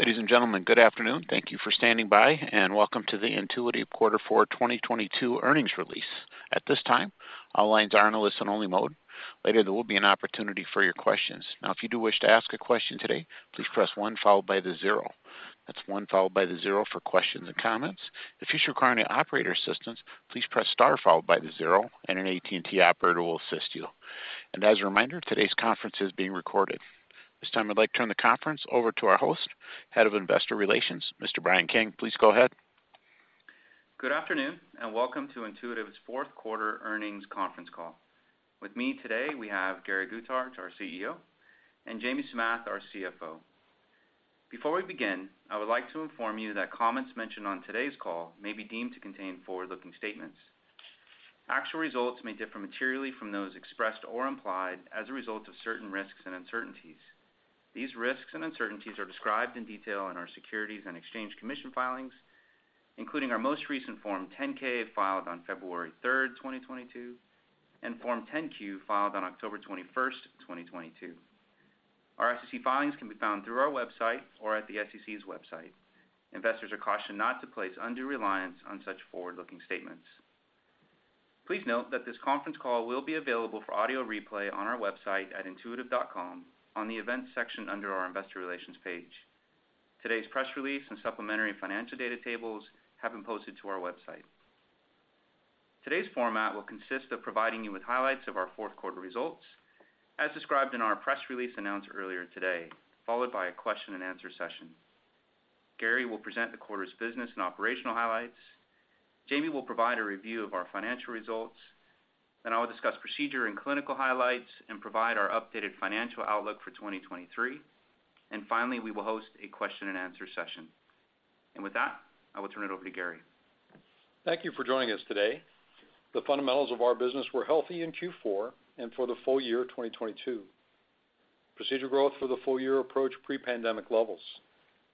Ladies and gentlemen, good afternoon. Thank you for standing by, and welcome to the Intuitive Quarter for 2022 earnings release. At this time, all lines are in a listen-only mode. Later, there will be an opportunity for your questions. If you do wish to ask a question today, please press one followed by the zero. That's one followed by the zero for questions and comments. If you should require any operator assistance, please press star followed by the zero and an AT&T operator will assist you. As a reminder, today's conference is being recorded. This time, I'd like to turn the conference over to our host, Head of Investor Relations, Mr. Brian King. Please go ahead. Good afternoon. Welcome to Intuitive's fourth quarter earnings conference call. With me today, we have Gary Guthart, our CEO, and Jamie Samath, our CFO. Before we begin, I would like to inform you that comments mentioned on today's call may be deemed to contain forward-looking statements. Actual results may differ materially from those expressed or implied as a result of certain risks and uncertainties. These risks and uncertainties are described in detail in our Securities and Exchange Commission filings, including our most recent Form 10-K, filed on February third, 2022, and Form 10-Q, filed on October 21st, 2022. Our SEC filings can be found through our website or at the SEC's website. Investors are cautioned not to place undue reliance on such forward-looking statements. Please note that this conference call will be available for audio replay on our website at intuitive.com on the Events section under our Investor Relations page. Today's press release and supplementary financial data tables have been posted to our website. Today's format will consist of providing you with highlights of our fourth quarter results as described in our press release announced earlier today, followed by a question-and-answer session. Gary will present the quarter's business and operational highlights. Jamie will provide a review of our financial results. I will discuss procedure and clinical highlights and provide our updated financial outlook for 2023. Finally, we will host a question-and-answer session. With that, I will turn it over to Gary. Thank you for joining us today. The fundamentals of our business were healthy in Q4 and for the full year of 2022. Procedure growth for the full year approached pre-pandemic levels.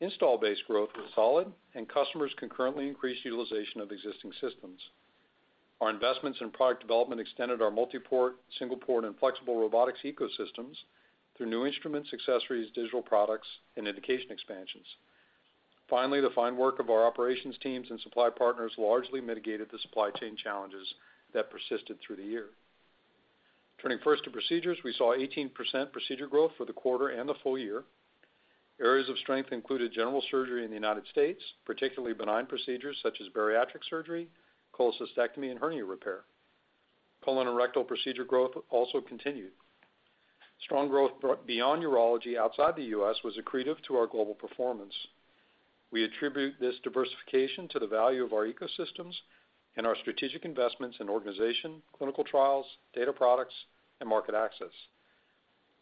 Install base growth was solid and customers concurrently increased utilization of existing systems. Our investments in product development extended our Multiport, Single Port, and flexible robotics ecosystems through new instruments, accessories, digital products, and indication expansions. The fine work of our operations teams and supply partners largely mitigated the supply chain challenges that persisted through the year. Turning first to procedures, we saw 18% procedure growth for the quarter and the full year. Areas of strength included general surgery in the United States, particularly benign procedures such as bariatric surgery, cholecystectomy, and hernia repair. Colon and rectal procedure growth also continued. Strong growth beyond urology outside the US was accretive to our global performance. We attribute this diversification to the value of our ecosystems and our strategic investments in organization, clinical trials, data products, and market access.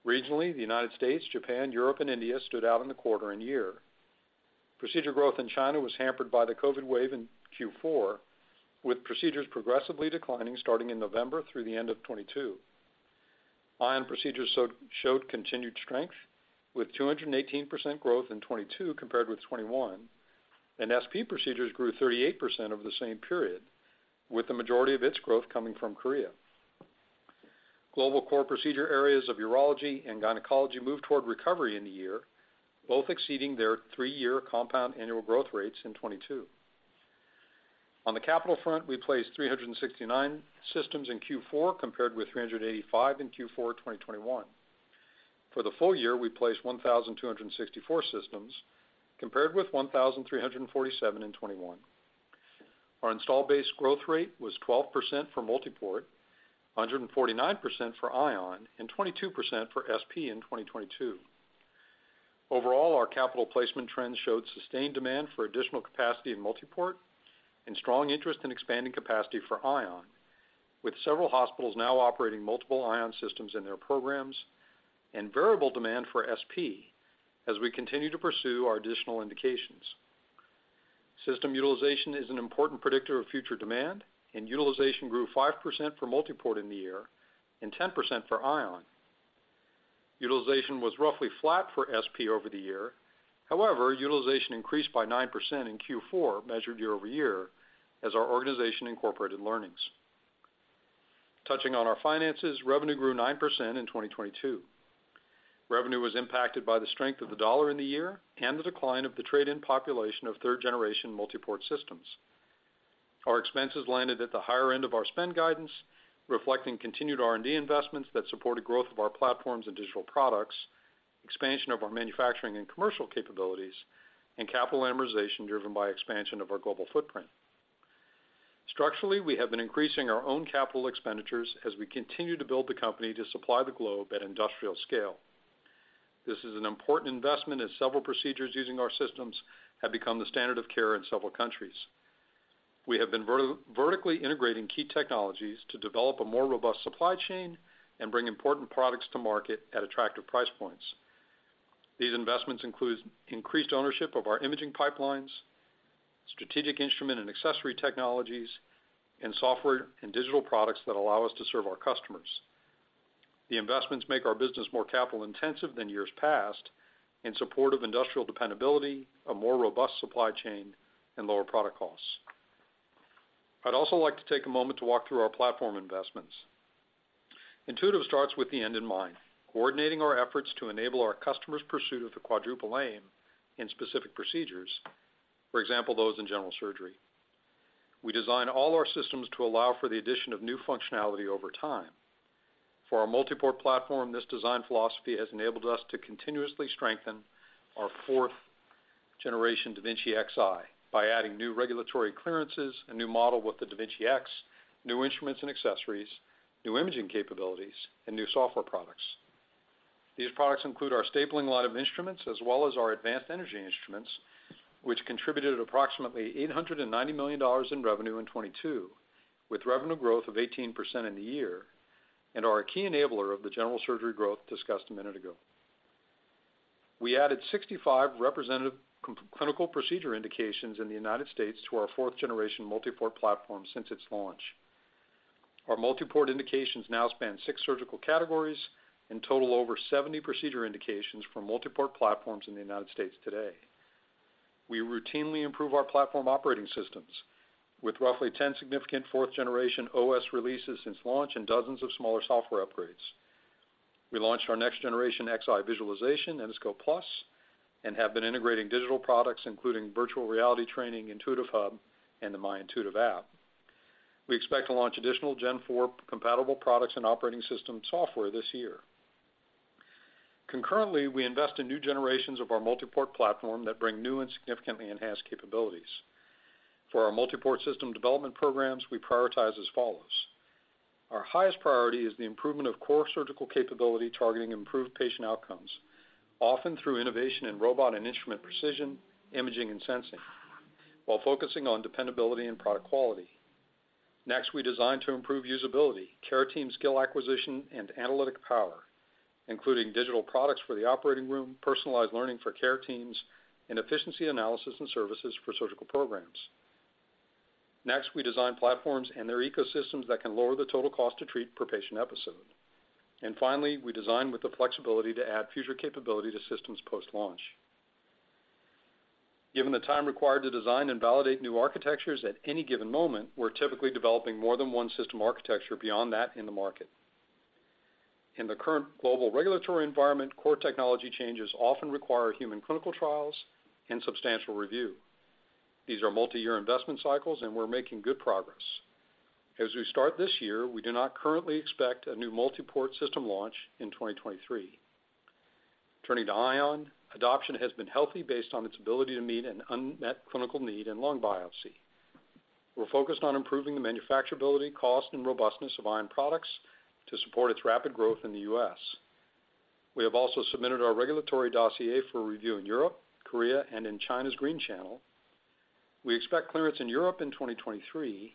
Regionally, the United States, Japan, Europe, and India stood out in the quarter and year. Procedure growth in China was hampered by the COVID wave in Q4, with procedures progressively declining starting in November through the end of 2022. Ion procedures showed continued strength with 218% growth in 2022 compared with 2021, and SP procedures grew 38% over the same period, with the majority of its growth coming from Korea. Global core procedure areas of urology and gynecology moved toward recovery in the year, both exceeding their three-year compound annual growth rates in 2022. On the capital front, we placed 369 systems in Q4 compared with 385 in Q4 2021. For the full year, we placed 1,264 systems compared with 1,347 in 2021. Our install base growth rate was 12% for MultiPort, 149% for Ion, and 22% for SP in 2022. Overall, our capital placement trends showed sustained demand for additional capacity in MultiPort and strong interest in expanding capacity for Ion, with several hospitals now operating multiple Ion systems in their programs and variable demand for SP as we continue to pursue our additional indications. System utilization is an important predictor of future demand, and utilization grew 5% for MultiPort in the year and 10% for Ion. Utilization was roughly flat for SP over the year. However, utilization increased by 9% in Q4, measured year-over-year, as our organization incorporated learnings. Touching on our finances, revenue grew 9% in 2022. Revenue was impacted by the strength of the dollar in the year and the decline of the trade-in population of third-generation Multiport systems. Our expenses landed at the higher end of our spend guidance, reflecting continued R&D investments that supported growth of our platforms and digital products, expansion of our manufacturing and commercial capabilities, and capital amortization driven by expansion of our global footprint. Structurally, we have been increasing our own capital expenditures as we continue to build the company to supply the globe at industrial scale. This is an important investment as several procedures using our systems have become the standard of care in several countries. We have been vertically integrating key technologies to develop a more robust supply chain and bring important products to market at attractive price points. These investments include increased ownership of our imaging pipelines, strategic instrument and accessory technologies, and software and digital products that allow us to serve our customers. The investments make our business more capital intensive than years past in support of industrial dependability, a more robust supply chain, and lower product costs. I'd also like to take a moment to walk through our platform investments. Intuitive starts with the end in mind, coordinating our efforts to enable our customers' pursuit of the Quadruple Aim in specific procedures, for example, those in general surgery. We design all our systems to allow for the addition of new functionality over time. For our Multiport platform, this design philosophy has enabled us to continuously strengthen our fourth generation da Vinci Xi by adding new regulatory clearances, a new model with the da Vinci X, new instruments and accessories, new imaging capabilities, and new software products. These products include our stapling line of instruments as well as our advanced energy instruments, which contributed approximately $890 million in revenue in 2022, with revenue growth of 18% in the year and are a key enabler of the general surgery growth discussed a minute ago. We added 65 representative clinical procedure indications in the United States to our fourth-generation Multiport platform since its launch. Our Multiport indications now span six surgical categories and total over 70 procedure indications for Multiport platforms in the United States today. We routinely improve our platform operating systems with roughly 10 significant fourth-generation OS releases since launch and dozens of smaller software upgrades. We launched our next generation Xi visualization, Endoscope Plus, and have been integrating digital products, including virtual reality training, Intuitive Hub, and the My Intuitive app. We expect to launch additional Gen four compatible products and operating system software this year. Concurrently, we invest in new generations of our Multiport platform that bring new and significantly enhanced capabilities. For our Multiport system development programs, we prioritize as follows. Our highest priority is the improvement of core surgical capability, targeting improved patient outcomes, often through innovation in robot and instrument precision, imaging and sensing, while focusing on dependability and product quality. Next, we design to improve usability, care team skill acquisition and analytic power, including digital products for the operating room, personalized learning for care teams, and efficiency analysis and services for surgical programs. Next, we design platforms and their ecosystems that can lower the total cost to treat per patient episode. Finally, we design with the flexibility to add future capability to systems post-launch. Given the time required to design and validate new architectures at any given moment, we're typically developing more than one system architecture beyond that in the market. In the current global regulatory environment, core technology changes often require human clinical trials and substantial review. These are multi-year investment cycles, we're making good progress. As we start this year, we do not currently expect a new multi-port system launch in 2023. Turning to Ion, adoption has been healthy based on its ability to meet an unmet clinical need in lung biopsy. We're focused on improving the manufacturability, cost, and robustness of Ion products to support its rapid growth in the U,S. We have also submitted our regulatory dossier for review in Europe, Korea, and in China's Green Channel. We expect clearance in Europe in 2023.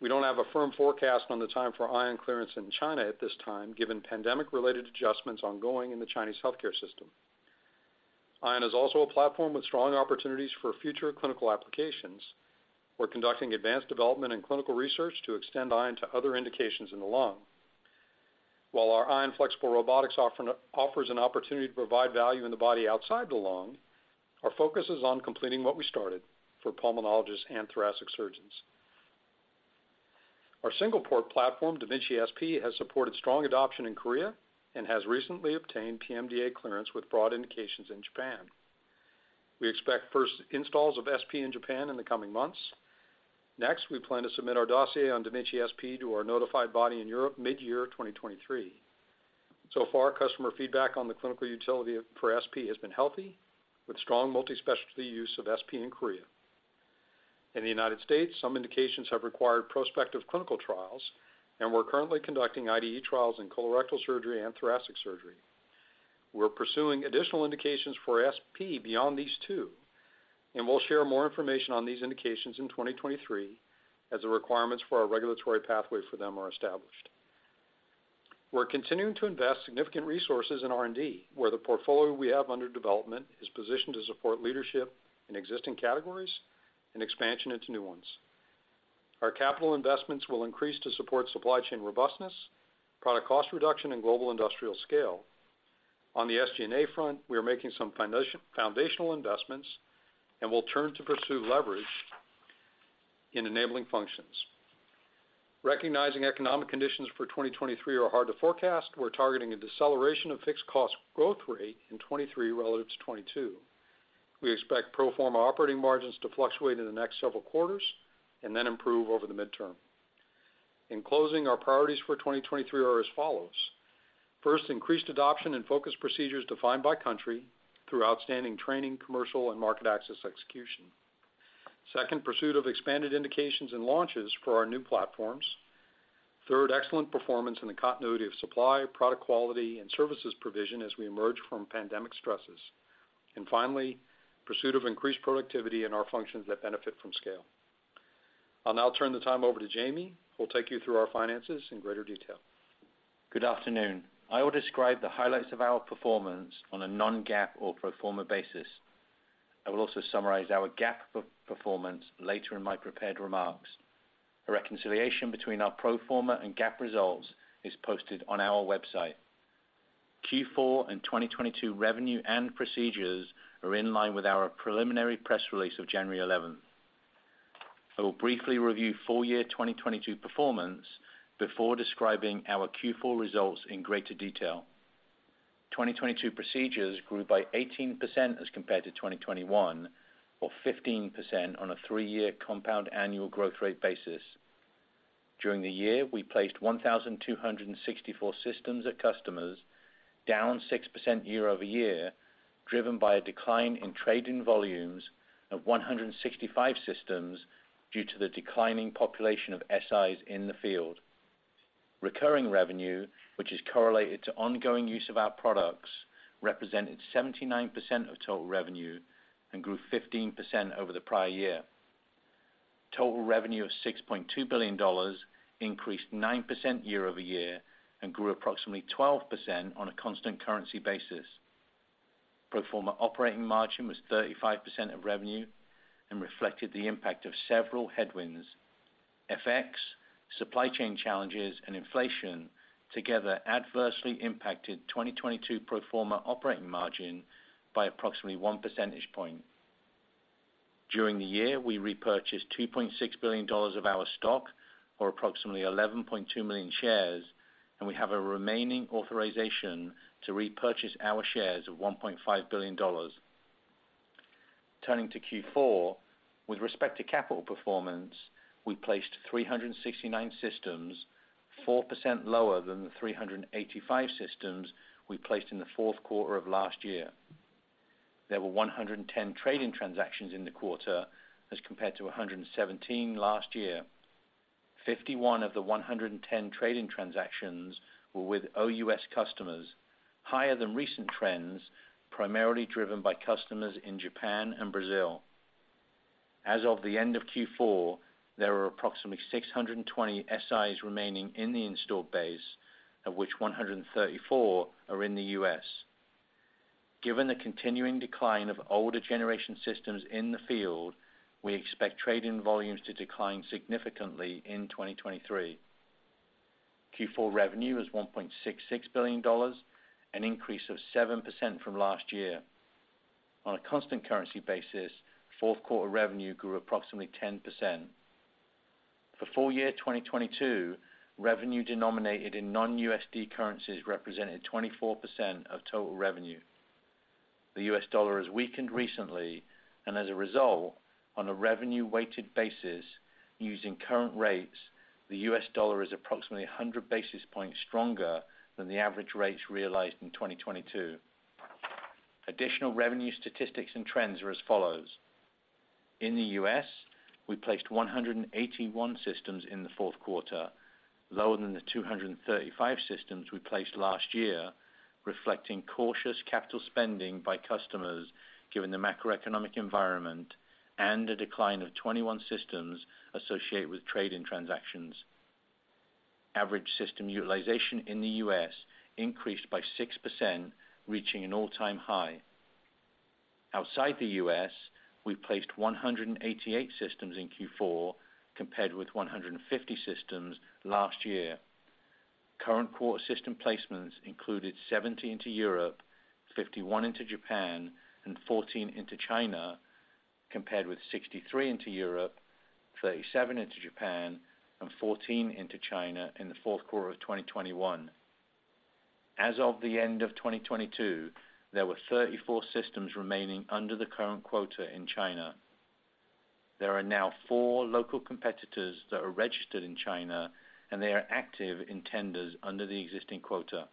We don't have a firm forecast on the time for Ion clearance in China at this time, given pandemic related adjustments ongoing in the Chinese healthcare system. Ion is also a platform with strong opportunities for future clinical applications. We're conducting advanced development and clinical research to extend Ion to other indications in the lung. While our Ion flexible robotics offers an opportunity to provide value in the body outside the lung, our focus is on completing what we started for pulmonologists and thoracic surgeons. Our single port platform, da Vinci SP, has supported strong adoption in Korea and has recently obtained PMDA clearance with broad indications in Japan. We expect first installs of SP in Japan in the coming months. We plan to submit our dossier on da Vinci SP to our notified body in Europe mid-year 2023. So far, customer feedback on the clinical utility for SP has been healthy, with strong multi-specialty use of SP in Korea. In the United States, some indications have required prospective clinical trials. We're currently conducting IDE trials in colorectal surgery and thoracic surgery. We're pursuing additional indications for SP beyond these two. We'll share more information on these indications in 2023 as the requirements for our regulatory pathway for them are established. We're continuing to invest significant resources in R&D, where the portfolio we have under development is positioned to support leadership in existing categories and expansion into new ones. Our capital investments will increase to support supply chain robustness, product cost reduction, and global industrial scale. On the SG&A front, we are making some foundational investments. We'll turn to pursue leverage in enabling functions. Recognizing economic conditions for 2023 are hard to forecast, we're targeting a deceleration of fixed cost growth rate in 2023 relative to 2022. We expect pro forma operating margins to fluctuate in the next several quarters and then improve over the midterm. In closing, our priorities for 2023 are as follows. First, increased adoption and focus procedures defined by country through outstanding training, commercial and market access execution. Second, pursuit of expanded indications and launches for our new platforms. Third, excellent performance in the continuity of supply, product quality and services provision as we emerge from pandemic stresses. Finally, pursuit of increased productivity in our functions that benefit from scale. I'll now turn the time over to Jamie, who will take you through our finances in greater detail. Good afternoon. I will describe the highlights of our performance on a Non-GAAP or pro forma basis. I will also summarize our GAAP performance later in my prepared remarks. A reconciliation between our pro forma and GAAP results is posted on our website. Q4 and 2022 revenue and procedures are in line with our preliminary press release of January 11th. I will briefly review full year 2022 performance before describing our Q4 results in greater detail. 2022 procedures grew by 18% as compared to 2021, or 15% on a three-year compound annual growth rate basis. During the year, we placed 1,264 systems at customers, down 6% year-over-year, driven by a decline in trade-in volumes of 165 systems due to the declining population of SIs in the field. Recurring revenue, which is correlated to ongoing use of our products, represented 79% of total revenue and grew 15% over the prior year. Total revenue of $6.2 billion increased 9% year-over-year and grew approximately 12% on a constant currency basis. Pro forma operating margin was 35% of revenue and reflected the impact of several headwinds. FX, supply chain challenges, and inflation together adversely impacted 2022 pro forma operating margin by approximately 1 percentage point. During the year, we repurchased $2.6 billion of our stock, or approximately 11.2 million shares, and we have a remaining authorization to repurchase our shares of $1.5 billion. Turning to Q4, with respect to capital performance, we placed 369 systems, 4% lower than the 385 systems we placed in the fourth quarter of last year. There were 110 trade-in transactions in the quarter as compared to 117 last year. 51 of the 110 trade-in transactions were with OUS customers, higher than recent trends, primarily driven by customers in Japan and Brazil. As of the end of Q4, there were approximately 620 SIs remaining in the installed base, of which 134 are in the US. Given the continuing decline of older generation systems in the field, we expect trade-in volumes to decline significantly in 2023. Q4 revenue is $1.66 billion, an increase of 7% from last year. On a constant currency basis, fourth quarter revenue grew approximately 10%. For full year 2022, revenue denominated in non-USD currencies represented 24% of total revenue. The US dollar has weakened recently, and as a result, on a revenue-weighted basis using current rates, the US dollar is approximately 100 basis points stronger than the average rates realized in 2022. Additional revenue statistics and trends are as follows. In the U.S., we placed 181 systems in the fourth quarter, lower than the 235 systems we placed last year, reflecting cautious capital spending by customers given the macroeconomic environment and the decline of 21 systems associated with trade-in transactions. Average system utilization in the U.S. increased by 6%, reaching an all-time high. Outside the U.S., we placed 188 systems in Q4 compared with 150 systems last year. Current quarter system placements included 70 into Europe, 51 into Japan, and 14 into China, compared with 63 into Europe, 37 into Japan, and 14 into China in the fourth quarter of 2021. As of the end of 2022, there were 34 systems remaining under the current quota in China. There are now four local competitors that are registered in China. They are active in tenders under the existing quota.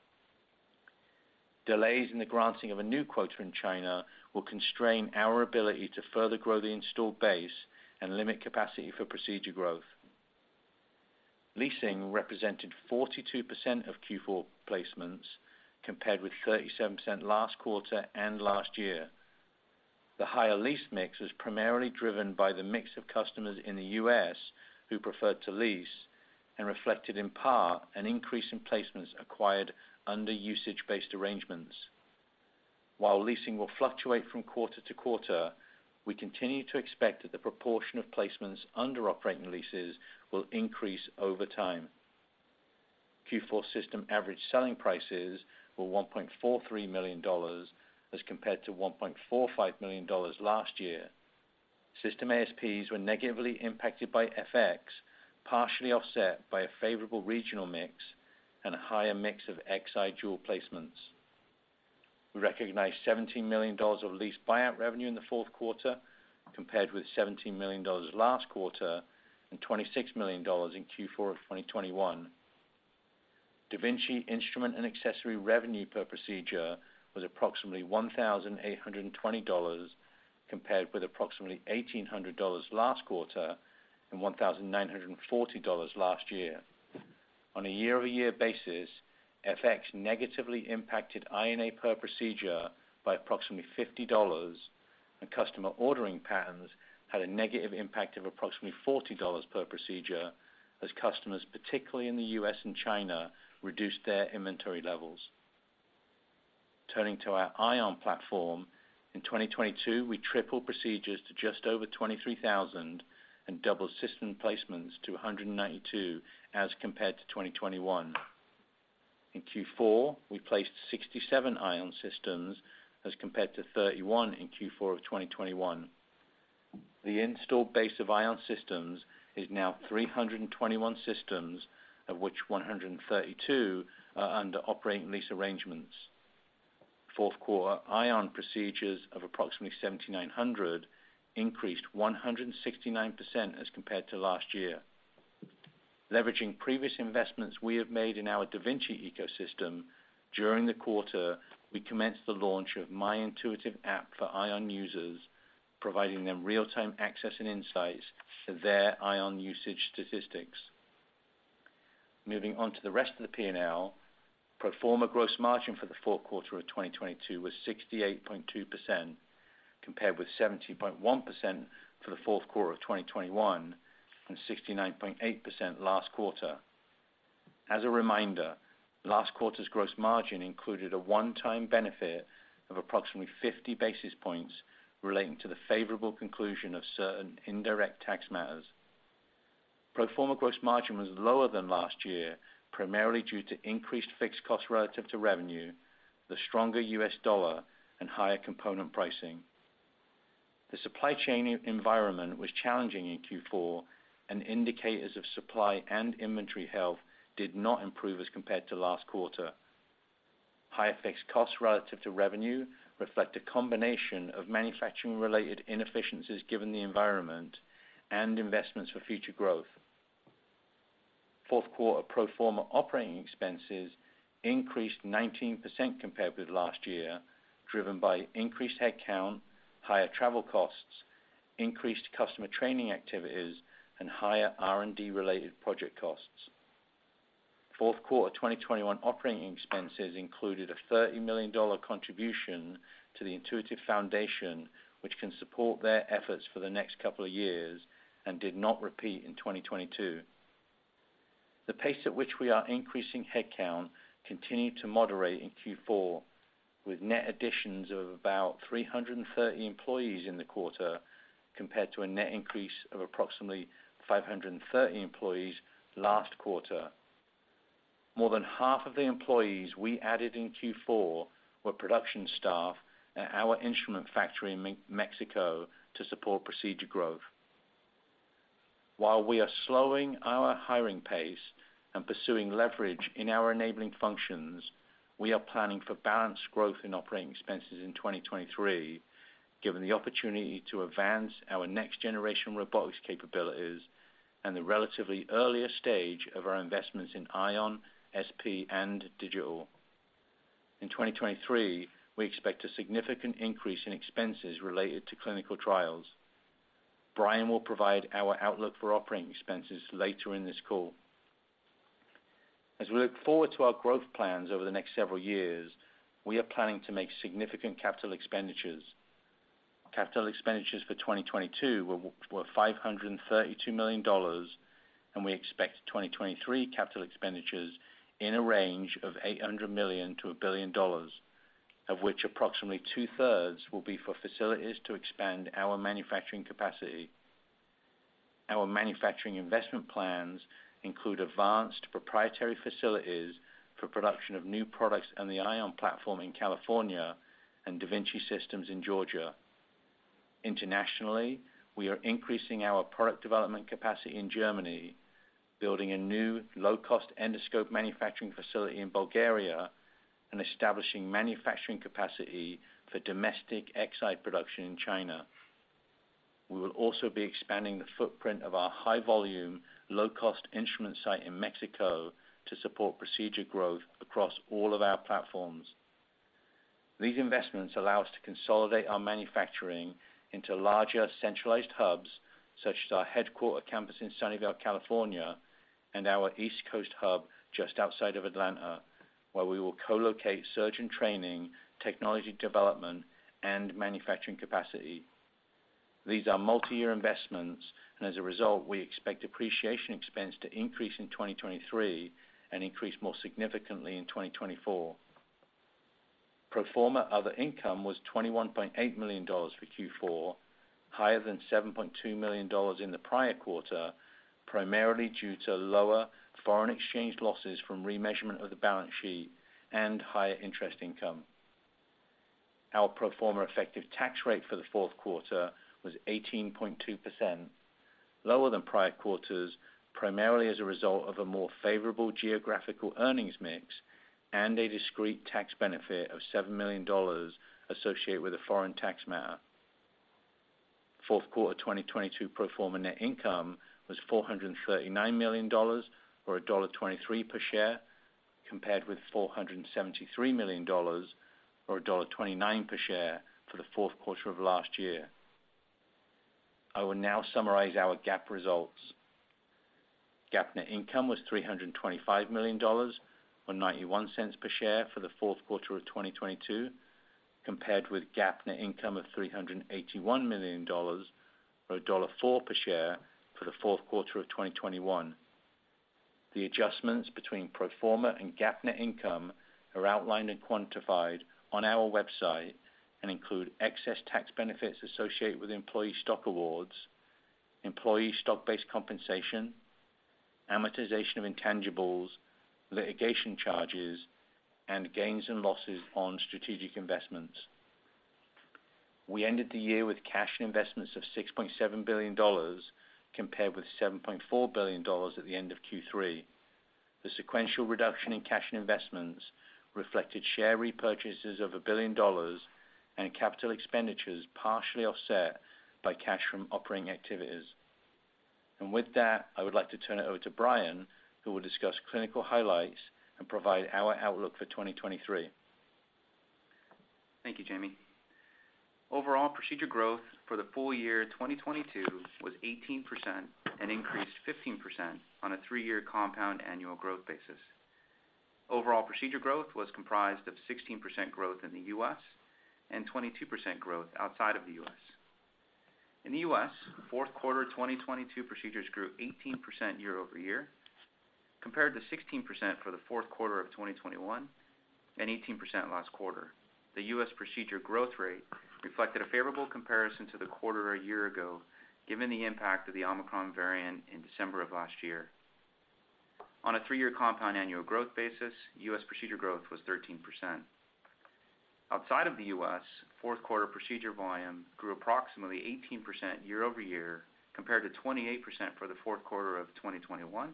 Delays in the granting of a new quota in China will constrain our ability to further grow the installed base and limit capacity for procedure growth. Leasing represented 42% of Q4 placements, compared with 37% last quarter and last year. The higher lease mix was primarily driven by the mix of customers in the U.S. who preferred to lease and reflected in part an increase in placements acquired under usage-based arrangements. While leasing will fluctuate from quarter to quarter, we continue to expect that the proportion of placements under operating leases will increase over time. Q4 system average selling prices were $1.43 million as compared to $1.45 million last year. System ASPs were negatively impacted by FX, partially offset by a favorable regional mix and a higher mix of Xi dual-console placements. We recognized $17 million of lease buyout revenue in the fourth quarter, compared with $17 million last quarter and $26 million in Q4 of 2021. da Vinci instrument and accessory revenue per procedure was approximately $1,820 compared with approximately $1,800 last quarter and $1,940 last year. On a year-over-year basis, FX negatively impacted INA per procedure by approximately $50. Customer ordering patterns had a negative impact of approximately $40 per procedure as customers, particularly in the U.S. and China, reduced their inventory levels. Turning to our Ion platform, in 2022, we tripled procedures to just over 23,000 and doubled system placements to 192 as compared to 2021. In Q4, we placed 67 Ion systems as compared to 31 in Q4 of 2021. The installed base of Ion systems is now 321 systems, of which 132 are under operating lease arrangements. Fourth quarter Ion procedures of approximately 7,900 increased 169% as compared to last year. Leveraging previous investments we have made in our da Vinci ecosystem, during the quarter, we commenced the launch of My Intuitive app for Ion users, providing them real-time access and insights to their Ion usage statistics. Moving on to the rest of the P&L, pro forma gross margin for the fourth quarter of 2022 was 68.2%, compared with 70.1% for the fourth quarter of 2021 and 69.8% last quarter. As a reminder, last quarter's gross margin included a one-time benefit of approximately 50 basis points relating to the favorable conclusion of certain indirect tax matters. Pro forma gross margin was lower than last year, primarily due to increased fixed costs relative to revenue, the stronger US dollar, and higher component pricing. The supply chain environment was challenging in Q4, and indicators of supply and inventory health did not improve as compared to last quarter. Higher fixed costs relative to revenue reflect a combination of manufacturing-related inefficiencies given the environment and investments for future growth. Fourth quarter pro forma operating expenses increased 19% compared with last year, driven by increased head count, higher travel costs, increased customer training activities, and higher R&D-related project costs. Fourth quarter 2021 operating expenses included a $30 million contribution to the Intuitive Foundation, which can support their efforts for the next couple of years and did not repeat in 2022. The pace at which we are increasing head count continued to moderate in Q4, with net additions of about 330 employees in the quarter compared to a net increase of approximately 530 employees last quarter. More than half of the employees we added in Q4 were production staff at our instrument factory in Mexico to support procedure growth. While we are slowing our hiring pace and pursuing leverage in our enabling functions, we are planning for balanced growth in operating expenses in 2023, given the opportunity to advance our next-generation robotics capabilities and the relatively earlier stage of our investments in Ion, SP, and digital. In 2023, we expect a significant increase in expenses related to clinical trials. Brian will provide our outlook for operating expenses later in this call. As we look forward to our growth plans over the next several years, we are planning to make significant capital expenditures. Capital expenditures for 2022 were $532 million. We expect 2023 capital expenditures in a range of $800 million-$1 billion, of which approximately two-thirds will be for facilities to expand our manufacturing capacity. Our manufacturing investment plans include advanced proprietary facilities for production of new products on the Ion platform in California and da Vinci systems in Georgia. Internationally, we are increasing our product development capacity in Germany, building a new low-cost endoscope manufacturing facility in Bulgaria, and establishing manufacturing capacity for domestic Xi production in China. We will also be expanding the footprint of our high-volume, low-cost instrument site in Mexico to support procedure growth across all of our platforms. These investments allow us to consolidate our manufacturing into larger centralized hubs, such as our headquarter campus in Sunnyvale, California, and our East Coast hub just outside of Atlanta, where we will co-locate surgeon training, technology development, and manufacturing capacity. These are multi-year investments, and as a result, we expect depreciation expense to increase in 2023 and increase more significantly in 2024. Pro forma other income was $21.8 million for Q4, higher than $7.2 million in the prior quarter, primarily due to lower foreign exchange losses from remeasurement of the balance sheet and higher interest income. Our pro forma effective tax rate for the fourth quarter was 18.2%, lower than prior quarters, primarily as a result of a more favorable geographical earnings mix and a discrete tax benefit of $7 million associated with a foreign tax matter. Fourth quarter 2022 pro forma net income was $439 million or $1.23 per share, compared with $473 million or $1.29 per share for the fourth quarter of last year. I will now summarize our GAAP results. GAAP net income was $325 million or $0.91 per share for the fourth quarter of 2022, compared with GAAP net income of $381 million or $1.04 per share for the fourth quarter of 2021. The adjustments between pro forma and GAAP net income are outlined and quantified on our website and include excess tax benefits associated with employee stock awards, employee stock-based compensation, amortization of intangibles, litigation charges, and gains and losses on strategic investments. We ended the year with cash and investments of $6.7 billion, compared with $7.4 billion at the end of Q3. The sequential reduction in cash and investments reflected share repurchases of $1 billion and capital expenditures partially offset by cash from operating activities. With that, I would like to turn it over to Brian, who will discuss clinical highlights and provide our outlook for 2023. Thank you, Jamie. Overall procedure growth for the full year 2022 was 18% and increased 15% on a three-year compound annual growth basis. Overall procedure growth was comprised of 16% growth in the U.S. and 22% growth outside of the U.S. In the U.S., fourth quarter 2022 procedures grew 18% year-over-year compared to 16% for the fourth quarter of 2021 and 18% last quarter. The U.S. procedure growth rate reflected a favorable comparison to the quarter a year ago, given the impact of the Omicron variant in December of last year. On a three-year compound annual growth basis, U.S. procedure growth was 13%. Outside of the U.S., fourth quarter procedure volume grew approximately 18% year-over-year compared to 28% for the fourth quarter of 2021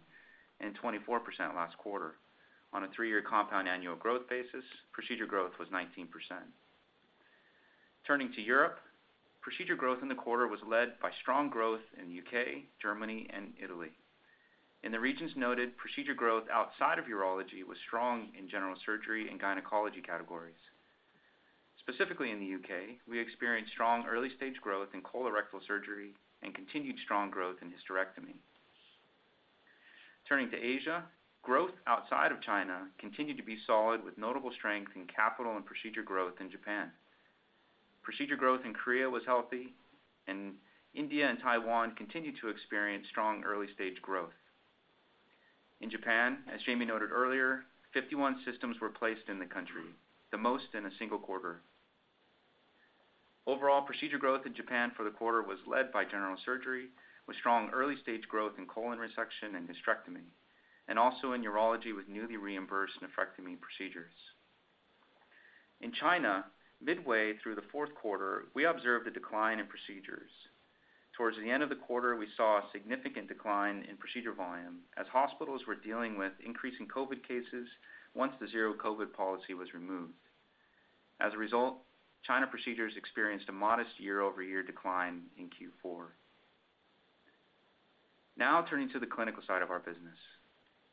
and 24% last quarter. On a three-year compound annual growth basis, procedure growth was 19%. Turning to Europe, procedure growth in the quarter was led by strong growth in the U.K., Germany, and Italy. In the regions noted, procedure growth outside of urology was strong in general surgery and gynecology categories. Specifically in the U.K., we experienced strong early-stage growth in colorectal surgery and continued strong growth in hysterectomy. Turning to Asia, growth outside of China continued to be solid with notable strength in capital and procedure growth in Japan. Procedure growth in Korea was healthy, and India and Taiwan continued to experience strong early-stage growth. In Japan, as Jamie noted earlier, 51 systems were placed in the country, the most in a single quarter. Overall procedure growth in Japan for the quarter was led by general surgery, with strong early-stage growth in colon resection and hysterectomy, and also in urology with newly reimbursed nephrectomy procedures. In China, midway through the fourth quarter, we observed a decline in procedures. Towards the end of the quarter, we saw a significant decline in procedure volume as hospitals were dealing with increasing COVID cases once the zero COVID policy was removed. As a result, China procedures experienced a modest year-over-year decline in Q4. Turning to the clinical side of our business.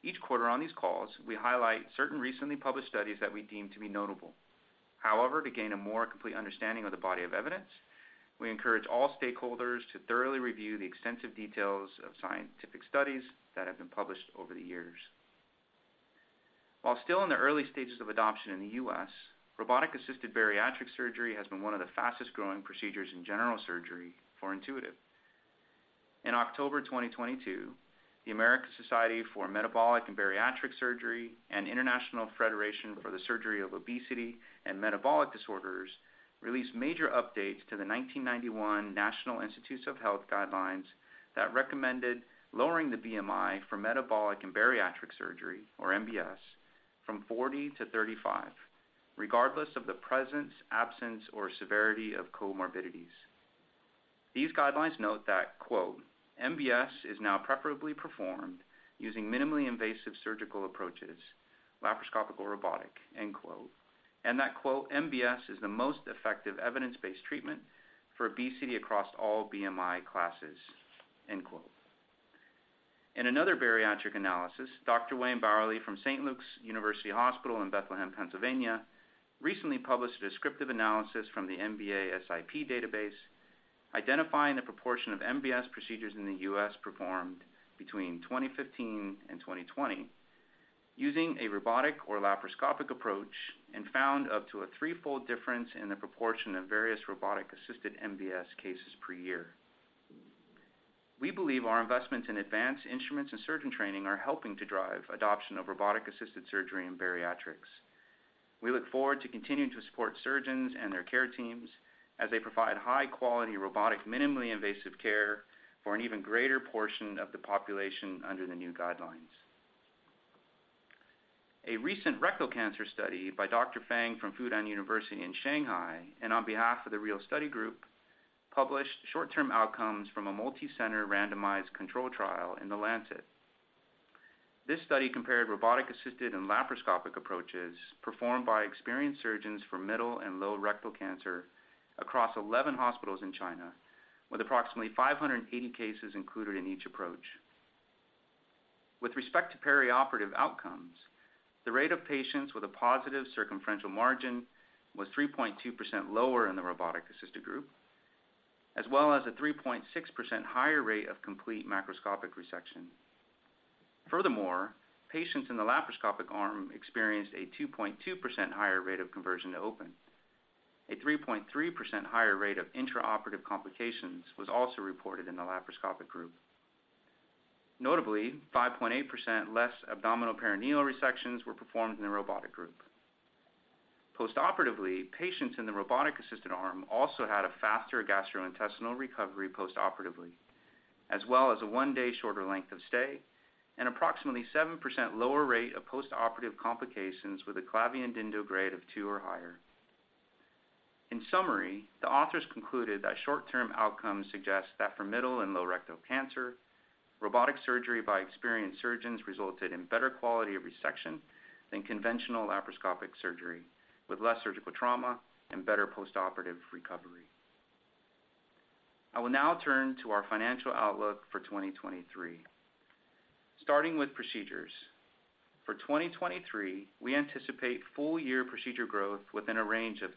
Each quarter on these calls, we highlight certain recently published studies that we deem to be notable. To gain a more complete understanding of the body of evidence, we encourage all stakeholders to thoroughly review the extensive details of scientific studies that have been published over the years. While still in the early stages of adoption in the U.S., robotic-assisted bariatric surgery has been one of the fastest-growing procedures in general surgery for Intuitive. In October 2022, the American Society for Metabolic and Bariatric Surgery and International Federation for the Surgery of Obesity and Metabolic Disorders released major updates to the 1991 National Institutes of Health guidelines that recommended lowering the BMI for metabolic and bariatric surgery, or MBS, from 40 to 35, regardless of the presence, absence, or severity of comorbidities. These guidelines note that, quote, "MBS is now preferably performed using minimally invasive surgical approaches, laparoscopical robotic," end quote. That, quote, "MBS is the most effective evidence-based treatment for obesity across all BMI classes," end quote. In another bariatric analysis, Dr. Wayne Borrelli from St. Luke's University Hospital in Bethlehem, Pennsylvania, recently published a descriptive analysis from the MBSAQIP database identifying the proportion of MBS procedures in the U.S. performed between 2015 and 2020 using a robotic or laparoscopic approach and found up to a threefold difference in the proportion of various robotic-assisted MBS cases per year. We believe our investments in advanced instruments and surgeon training are helping to drive adoption of robotic-assisted surgery in bariatrics. We look forward to continuing to support surgeons and their care teams as they provide high-quality robotic minimally invasive care for an even greater portion of the population under the new guidelines. A recent rectal cancer study by Dr. Fang from Fudan University in Shanghai, and on behalf of the REAL Study Group, published short-term outcomes from a multicenter randomized control trial in The Lancet. This study compared robotic-assisted and laparoscopic approaches performed by experienced surgeons for middle and low rectal cancer across 11 hospitals in China, with approximately 580 cases included in each approach. With respect to perioperative outcomes, the rate of patients with a positive circumferential margin was 3.2% lower in the robotic-assisted group, as well as a 3.6% higher rate of complete macroscopic resection. Patients in the laparoscopic arm experienced a 2.2% higher rate of conversion to open. A 3.3% higher rate of intraoperative complications was also reported in the laparoscopic group. Notably, 5.8% less abdominal perineal resections were performed in the robotic group. Postoperatively, patients in the robotic-assisted arm also had a faster gastrointestinal recovery postoperatively, as well as a one-day shorter length of stay and approximately 7% lower rate of postoperative complications with a Clavien-Dindo grade of two or higher. In summary, the authors concluded that short-term outcomes suggest that for middle and low rectal cancer, robotic surgery by experienced surgeons resulted in better quality of resection than conventional laparoscopic surgery, with less surgical trauma and better postoperative recovery. I will now turn to our financial outlook for 2023. Starting with procedures. For 2023, we anticipate full year procedure growth within a range of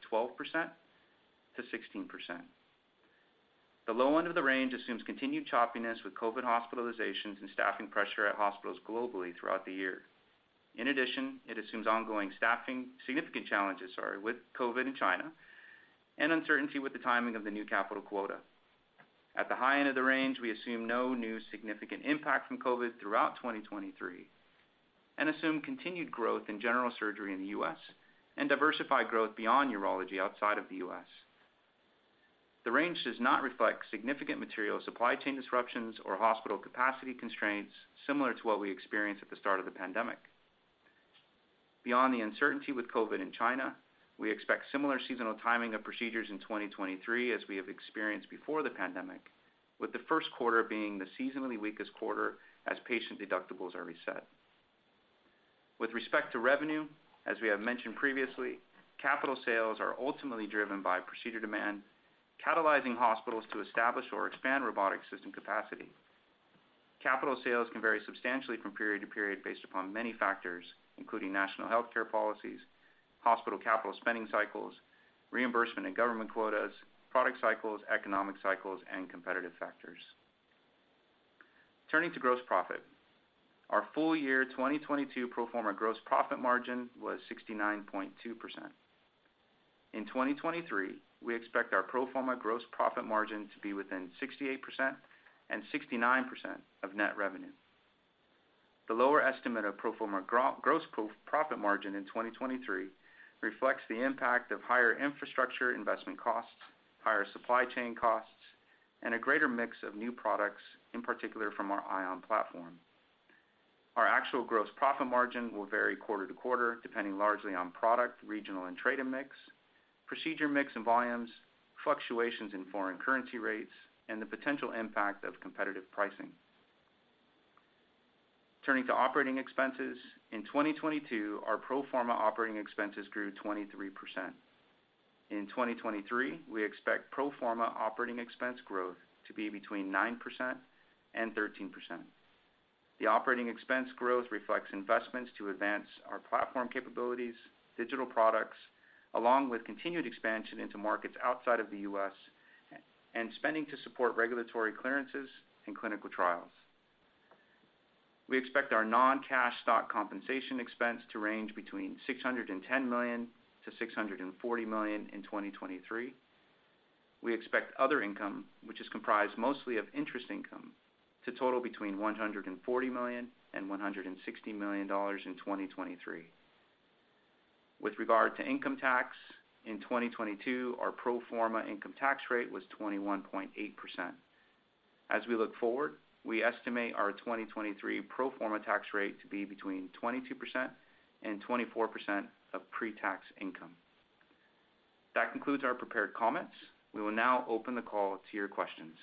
12%-16%. The low end of the range assumes continued choppiness with COVID hospitalizations and staffing pressure at hospitals globally throughout the year. In addition, it assumes ongoing staffing, significant challenges, sorry, with COVID in China and uncertainty with the timing of the new capital quota. At the high end of the range, we assume no new significant impact from COVID throughout 2023 and assume continued growth in general surgery in the U.S. and diversified growth beyond urology outside of the U.S. The range does not reflect significant material supply chain disruptions or hospital capacity constraints similar to what we experienced at the start of the pandemic. Beyond the uncertainty with COVID in China, we expect similar seasonal timing of procedures in 2023, as we have experienced before the pandemic, with the first quarter being the seasonally weakest quarter as patient deductibles are reset. With respect to revenue, as we have mentioned previously, capital sales are ultimately driven by procedure demand, catalyzing hospitals to establish or expand robotic system capacity. Capital sales can vary substantially from period to period based upon many factors, including national healthcare policies, hospital capital spending cycles, reimbursement and government quotas, product cycles, economic cycles, and competitive factors. Turning to gross profit. Our full year 2022 pro forma gross profit margin was 69.2%. In 2023, we expect our pro forma gross profit margin to be within 68%-69% of net revenue. The lower estimate of pro forma gross profit margin in 2023 reflects the impact of higher infrastructure investment costs, higher supply chain costs, and a greater mix of new products, in particular from our Ion platform. Our actual gross profit margin will vary quarter to quarter, depending largely on product, regional and trading mix, procedure mix and volumes, fluctuations in foreign currency rates, and the potential impact of competitive pricing. Turning to operating expenses. In 2022, our pro forma operating expenses grew 23%. In 2023, we expect pro forma operating expense growth to be between 9%-13%. The operating expense growth reflects investments to advance our platform capabilities, digital products, along with continued expansion into markets outside of the US and spending to support regulatory clearances and clinical trials. We expect our non-cash stock compensation expense to range between $610 million-$640 million in 2023. We expect other income, which is comprised mostly of interest income, to total between $140 million and $160 million in 2023. With regard to income tax, in 2022, our pro forma income tax rate was 21.8%. As we look forward, we estimate our 2023 pro forma tax rate to be between 22% and 24% of pre-tax income. That concludes our prepared comments. We will now open the call to your questions.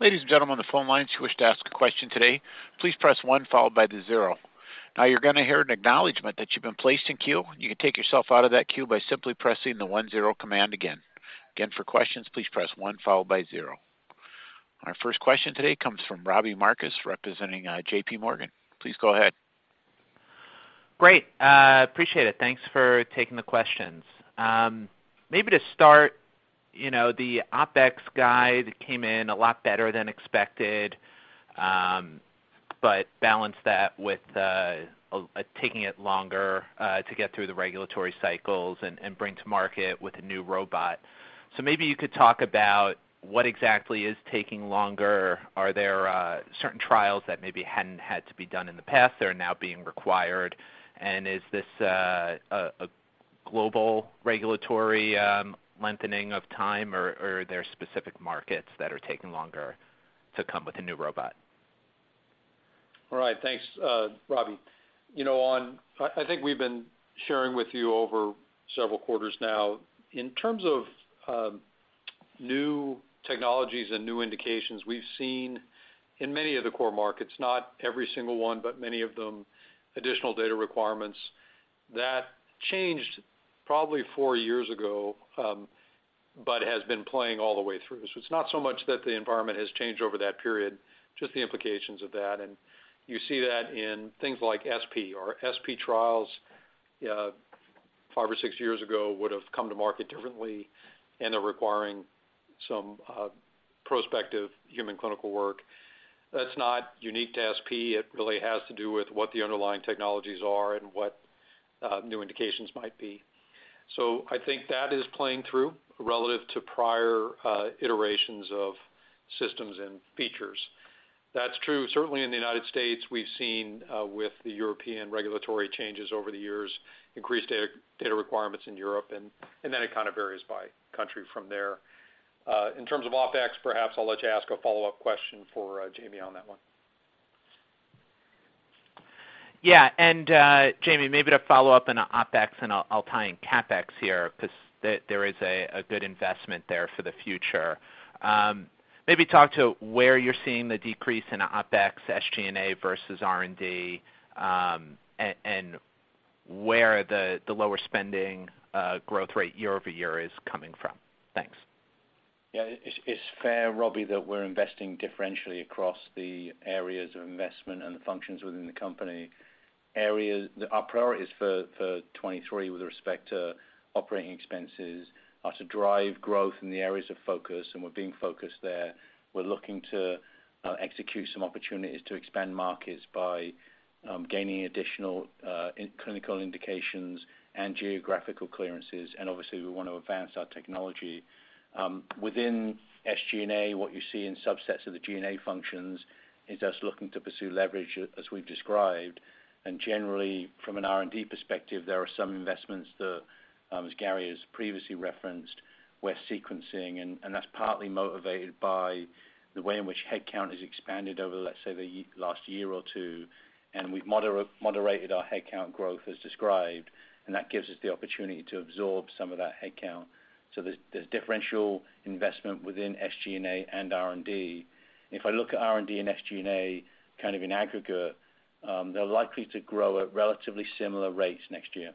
Ladies and gentlemen on the phone lines, if you wish to ask a question today, please press one followed by the zero. Now you're going to hear an acknowledgment that you've been placed in queue. You can take yourself out of that queue by simply pressing the one-zero command again. Again, for questions, please press one followed by zero. Our first question today comes from Robbie Marcus representing J.P. Morgan. Please go ahead. Great. Appreciate it. Thanks for taking the questions. Maybe to start, you know, the OpEx guide came in a lot better than expected, but balance that with taking it longer to get through the regulatory cycles and bring to market with a new robot. Maybe you could talk about what exactly is taking longer. Are there certain trials that maybe hadn't had to be done in the past that are now being required? Is this a global regulatory lengthening of time, or are there specific markets that are taking longer to come with a new robot? All right. Thanks, Robbie. You know, I think we've been sharing with you over several quarters now, in terms of new technologies and new indications we've seen in many of the core markets, not every single one, but many of them, additional data requirements. That changed probably four years ago, but has been playing all the way through. It's not so much that the environment has changed over that period, just the implications of that. You see that in things like SP. Our SP trials, five or six years ago would have come to market differently, and they're requiring Some prospective human clinical work. That's not unique to SP. It really has to do with what the underlying technologies are and what new indications might be. I think that is playing through relative to prior iterations of systems and features. That's true certainly in the United States. We've seen with the European regulatory changes over the years, increased data requirements in Europe, and then it kind of varies by country from there. In terms of OpEx, perhaps I'll let you ask a follow-up question for Jamie on that one. Jamie, maybe to follow up on the OpEx, I'll tie in CapEx here 'cause there is a good investment there for the future. Maybe talk to where you're seeing the decrease in OpEx, SG&A versus R&D, and where the lower spending growth rate year-over-year is coming from. Thanks. Yeah. It's fair, Robbie, that we're investing differentially across the areas of investment and the functions within the company. Our priorities for 2023 with respect to operating expenses are to drive growth in the areas of focus, and we're being focused there. We're looking to execute some opportunities to expand markets by gaining additional clinical indications and geographical clearances. Obviously, we want to advance our technology. Within SG&A, what you see in subsets of the G&A functions is us looking to pursue leverage as we've described. Generally, from an R&D perspective, there are some investments that, as Gary has previously referenced, we're sequencing, and that's partly motivated by the way in which headcount has expanded over, let's say, the last year or two. We've moderated our headcount growth as described, and that gives us the opportunity to absorb some of that headcount. There's, there's differential investment within SG&A and R&D. If I look at R&D and SG&A kind of in aggregate, they're likely to grow at relatively similar rates next year.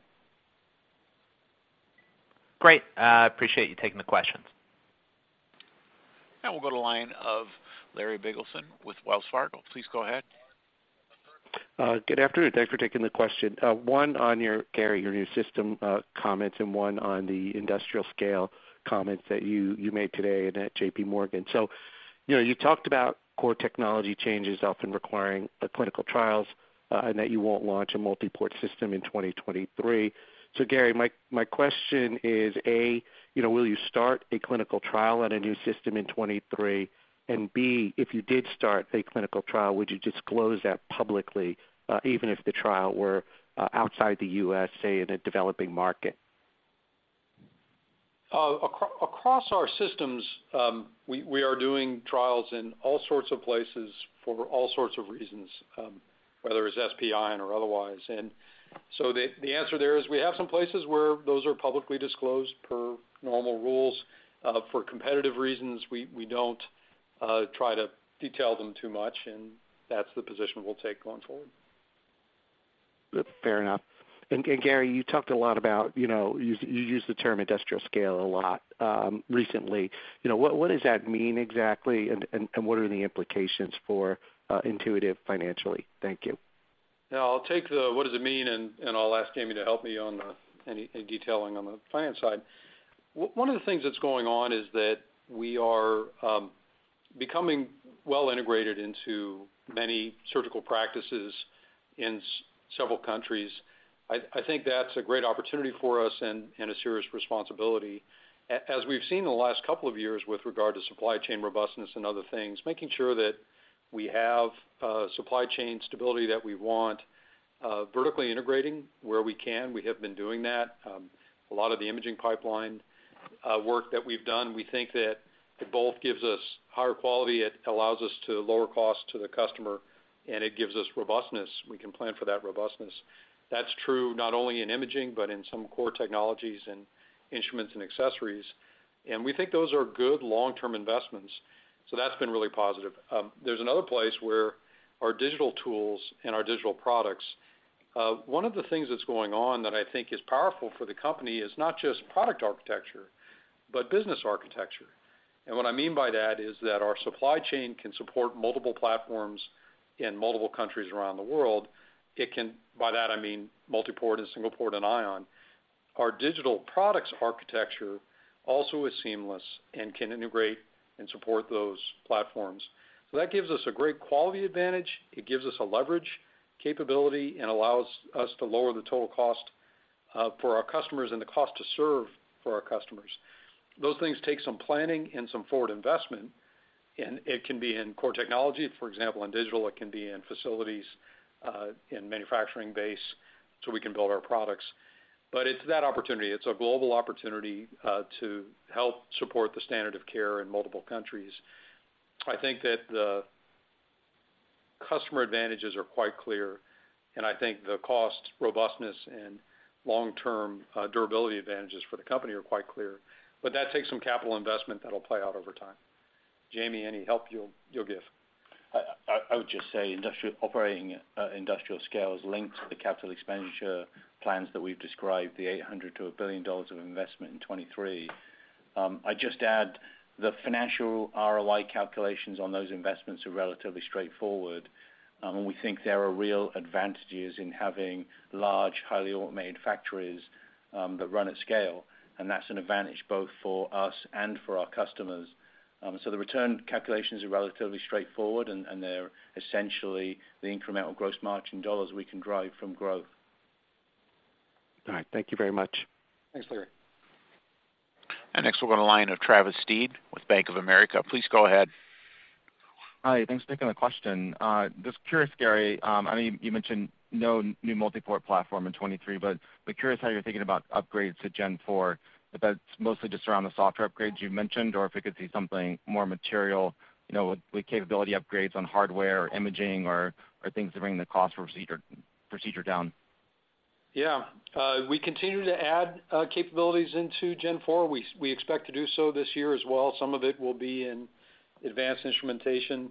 Great. Appreciate you taking the questions. Now we'll go to line of Larry Biegelsen with Wells Fargo. Please go ahead. Good afternoon. Thanks for taking the question. One on your, Gary, your new system, comments and one on the industrial scale comments that you made today and at J.P. Morgan. You know, you talked about core technology changes often requiring clinical trials and that you won't launch a Multiport system in 2023. Gary, my question is, A, you know, will you start a clinical trial on a new system in 2023? B, if you did start a clinical trial, would you disclose that publicly, even if the trial were outside the U.S., say, in a developing market? Across our systems, we are doing trials in all sorts of places for all sorts of reasons, whether it's SP, Ion, or otherwise. The answer there is we have some places where those are publicly disclosed per normal rules. For competitive reasons, we don't try to detail them too much, and that's the position we'll take going forward. Fair enough. Gary, you talked a lot about, you know, you used the term industrial scale a lot recently. You know, what does that mean exactly, and what are the implications for Intuitive financially? Thank you. I'll take the what does it mean, and I'll ask Jamie to help me on the any detailing on the finance side. One of the things that's going on is that we are becoming well integrated into many surgical practices in several countries. I think that's a great opportunity for us and a serious responsibility. As we've seen in the last couple of years with regard to supply chain robustness and other things, making sure that we have supply chain stability that we want, vertically integrating where we can. We have been doing that. A lot of the imaging pipeline work that we've done, we think that it both gives us higher quality, it allows us to lower cost to the customer, and it gives us robustness. We can plan for that robustness. That's true not only in imaging, but in some core technologies and instruments and accessories. We think those are good long-term investments. That's been really positive. There's another place where our digital tools and our digital products. One of the things that's going on that I think is powerful for the company is not just product architecture, but business architecture. What I mean by that is that our supply chain can support multiple platforms in multiple countries around the world. By that I mean Multiport and Single Port and Ion. Our digital products architecture also is seamless and can integrate and support those platforms. That gives us a great quality advantage. It gives us a leverage capability and allows us to lower the total cost for our customers and the cost to serve for our customers. Those things take some planning and some forward investment. It can be in core technology. For example, in digital, it can be in facilities, in manufacturing base so we can build our products. It's that opportunity. It's a global opportunity to help support the standard of care in multiple countries. I think that the customer advantages are quite clear. I think the cost, robustness, and long-term durability advantages for the company are quite clear. That takes some capital investment that'll play out over time. Jamie, any help you'll give? I would just say industrial operating, industrial scale is linked to the capital expenditure plans that we've described, the $800 million-$1 billion of investment in 2023. I'd just add the financial ROI calculations on those investments are relatively straightforward. And we think there are real advantages in having large, highly automated factories, that run at scale, and that's an advantage both for us and for our customers. So the return calculations are relatively straightforward, and they're essentially the incremental gross margin dollars we can drive from growth. All right. Thank you very much. Thanks, Larry. Next we'll go to the line of Travis Steed with Bank of America. Please go ahead. Hi. Thanks for taking the question. Just curious, Gary, I mean, you mentioned no new Multiport platform in 2023, but curious how you're thinking about upgrades to Gen four. If that's mostly just around the software upgrades you mentioned, or if we could see something more material, you know, with capability upgrades on hardware or imaging or things that are bringing the cost per procedure down? Yeah. We continue to add capabilities into Gen four. We expect to do so this year as well. Some of it will be in advanced instrumentation.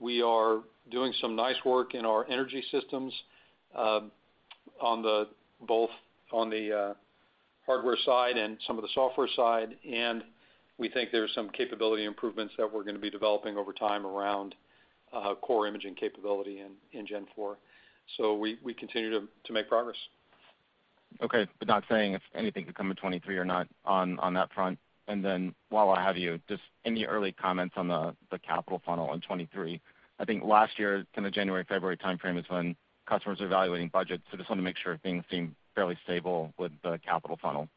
We are doing some nice work in our energy systems, both on the hardware side and some of the software side. We think there's some capability improvements that we're going to be developing over time around core imaging capability in Gen four. We continue to make progress. Not saying if anything could come in 2023 or not on that front. While I have you, just any early comments on the capital funnel in 2023? I think last year, kind of January, February timeframe is when customers are evaluating budgets. Just wanted to make sure if things seem fairly stable with the capital funnel.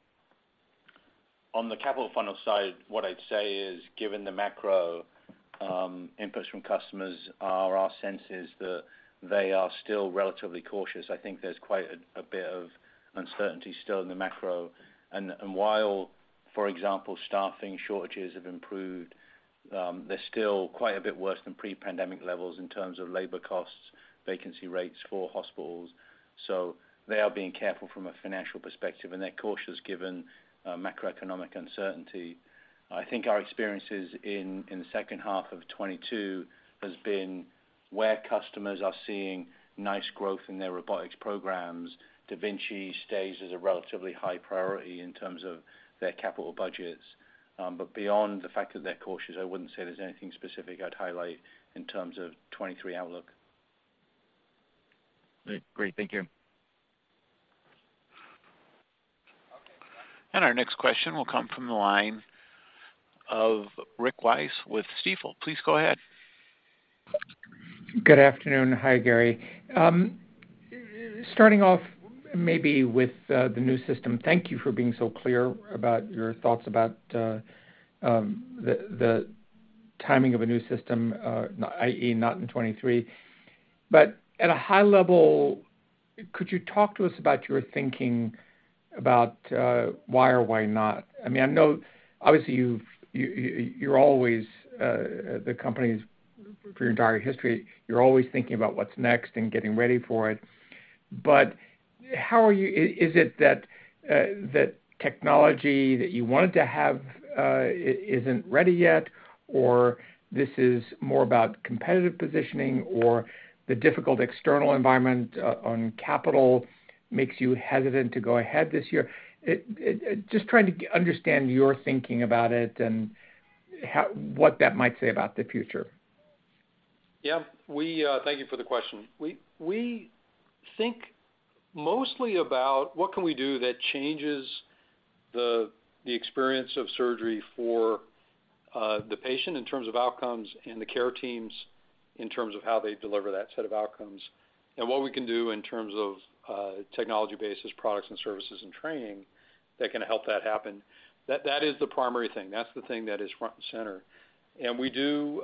On the capital funnel side, what I'd say is, given the macro, inputs from customers, our sense is that they are still relatively cautious. I think there's quite a bit of uncertainty still in the macro. While, for example, staffing shortages have improved, they're still quite a bit worse than pre-pandemic levels in terms of labor costs, vacancy rates for hospitals. They are being careful from a financial perspective, and they're cautious given macroeconomic uncertainty. I think our experiences in the second half of 2022 has been where customers are seeing nice growth in their robotics programs. da Vinci stays as a relatively high priority in terms of their capital budgets. Beyond the fact that they're cautious, I wouldn't say there's anything specific I'd highlight in terms of 2023 outlook. Great. Thank you. Our next question will come from the line of Rick Wise with Stifel. Please go ahead. Good afternoon. Hi, Gary. Starting off maybe with the new system. Thank you for being so clear about your thoughts about the timing of a new system, i.e., not in 2023. At a high level, could you talk to us about your thinking about why or why not? I mean, I know obviously you're always the company's, for your entire history, you're always thinking about what's next and getting ready for it. How are you? Is it that technology that you wanted to have isn't ready yet, or this is more about competitive positioning or the difficult external environment on capital makes you hesitant to go ahead this year? Just trying to understand your thinking about it and how, what that might say about the future. Yeah. We. Thank you for the question. We think mostly about what can we do that changes the experience of surgery for the patient in terms of outcomes and the care teams in terms of how they deliver that set of outcomes, and what we can do in terms of technology bases, products and services and training that can help that happen. That is the primary thing. That's the thing that is front and center. We do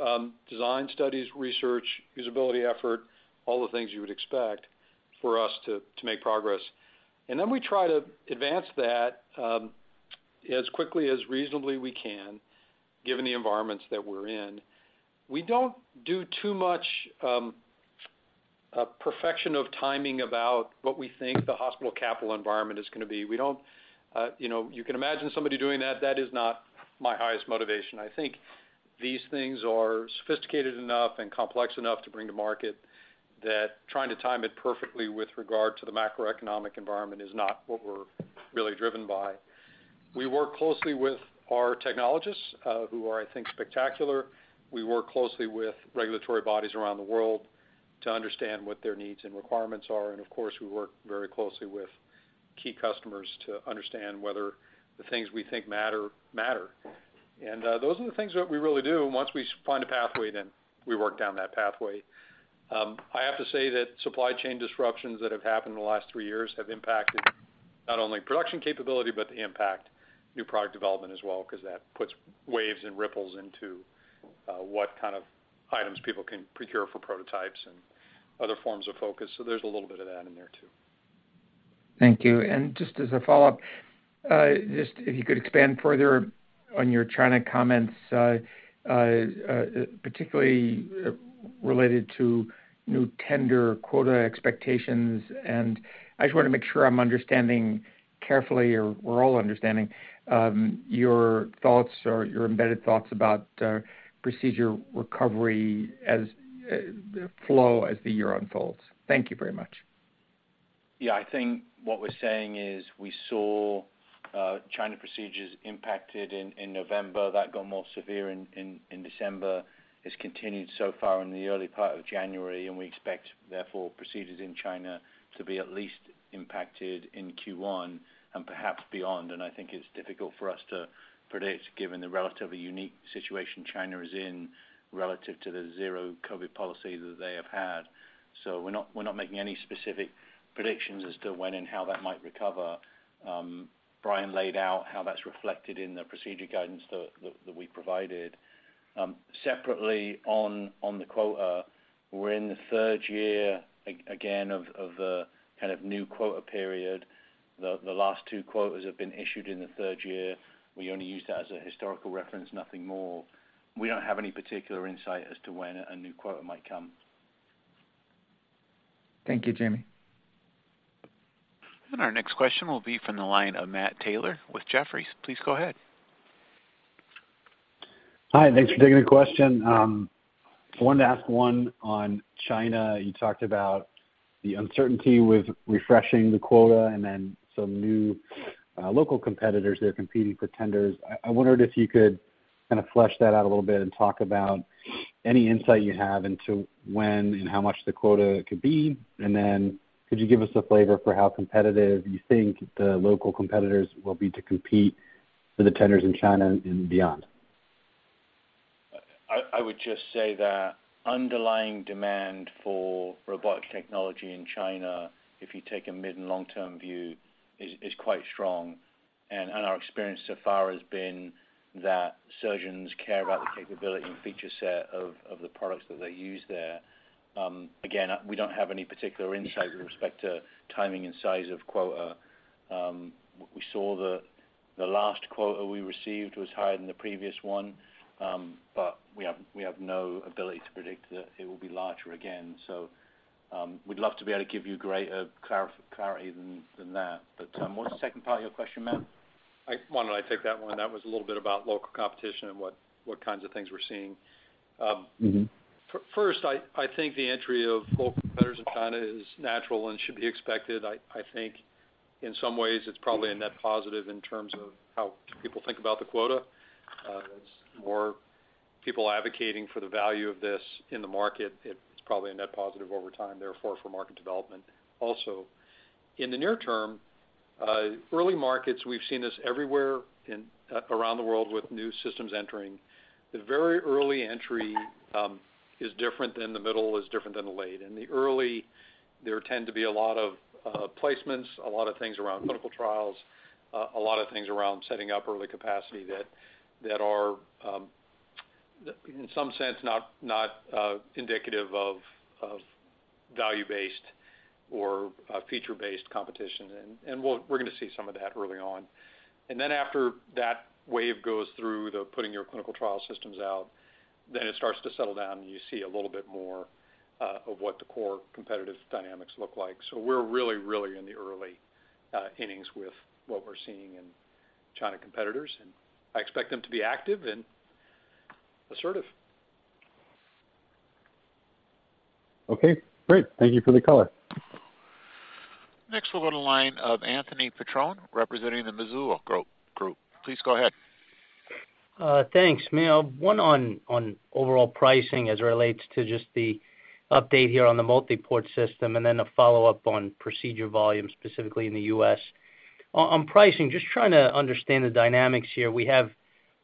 design studies, research, usability effort, all the things you would expect for us to make progress. We try to advance that as quickly as reasonably we can, given the environments that we're in. We don't do too much perfection of timing about what we think the hospital capital environment is gonna be. We don't. You know, you can imagine somebody doing that. That is not my highest motivation. I think these things are sophisticated enough and complex enough to bring to market that trying to time it perfectly with regard to the macroeconomic environment is not what we're really driven by. We work closely with our technologists, who are, I think, spectacular. We work closely with regulatory bodies around the world to understand what their needs and requirements are. Of course, we work very closely with key customers to understand whether the things we think matter. Those are the things that we really do. Once we find a pathway, then we work down that pathway. I have to say that supply chain disruptions that have happened in the last three years have impacted not only production capability, but they impact new product development as well, because that puts waves and ripples into what kind of items people can procure for prototypes and other forms of focus. There's a little bit of that in there too. Thank you. Just as a follow-up, just if you could expand further on your China comments, particularly related to new tender quota expectations. I just wanna make sure I'm understanding carefully, or we're all understanding, your thoughts or your embedded thoughts about, procedure recovery as, the flow as the year unfolds. Thank you very much. I think what we're saying is we saw China procedures impacted in November. It got more severe in December. It's continued so far in the early part of January. We expect, therefore, procedures in China to be at least impacted in Q1 and perhaps beyond. I think it's difficult for us to predict given the relatively unique situation China is in relative to the zero COVID policy that they have had. We're not making any specific predictions as to when and how that might recover. Brian laid out how that's reflected in the procedure guidance that we provided. Separately on the quota, we're in the third year again of a kind of new quota period. The last two quotas have been issued in the third year. We only use that as a historical reference, nothing more. We don't have any particular insight as to when a new quota might come. Thank you, Jamie. Our next question will be from the line of Matt Taylor with Jefferies. Please go ahead. Hi, thanks for taking the question. I wanted to ask one on China. You talked about the uncertainty with refreshing the quota and then some new local competitors that are competing for tenders. I wondered if you could kind of flesh that out a little bit and talk about any insight you have into when and how much the quota could be. Could you give us a flavor for how competitive you think the local competitors will be to compete for the tenders in China and beyond? I would just say that underlying demand for robotics technology in China, if you take a mid and long-term view, is quite strong. Our experience so far has been that surgeons care about the capability and feature set of the products that they use there. Again, we don't have any particular insight with respect to timing and size of quota. We saw the last quota we received was higher than the previous one, but we have no ability to predict that it will be larger again. We'd love to be able to give you greater clarity than that. What's the second part of your question, Matt? Why don't I take that one? That was a little bit about local competition and what kinds of things we're seeing. First, I think the entry of local competitors in China is natural and should be expected. I think in some ways it's probably a net positive in terms of how people think about the quota. There's more people advocating for the value of this in the market. It's probably a net positive over time, therefore, for market development. Also, in the near term, early markets, we've seen this everywhere in around the world with new systems entering. The very early entry is different than the middle, is different than the late. In the early, there tend to be a lot of placements, a lot of things around clinical trials, a lot of things around setting up early capacity that are in some sense, not indicative of value-based or feature-based competition. We're gonna see some of that early on. After that wave goes through the putting your clinical trial systems out, then it starts to settle down, and you see a little bit more of what the core competitive dynamics look like. We're really in the early innings with what we're seeing in China competitors, and I expect them to be active and assertive. Okay, great. Thank you for the color. Next we'll go to the line of Anthony Petrone representing the Mizuho Group. Please go ahead. Thanks. Neil, one on overall pricing as it relates to just the update here on the Multiport system and then a follow-up on procedure volume, specifically in the U.S. On, on pricing, just trying to understand the dynamics here. We have